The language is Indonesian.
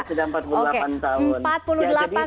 sudah empat puluh delapan tahun